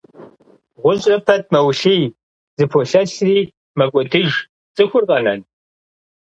ГъущӀрэ пэт мэулъий, зэполъэлъри мэкӀуэдыж, цӀыхур къэнэн?!